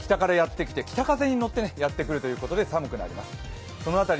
寒気が北風に乗ってやってくるということで寒くなります。